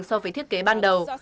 so với thiết kế ban đầu